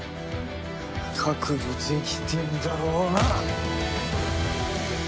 覚悟できてんだろうな！